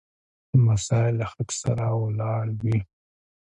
لمسی له حق سره ولاړ وي.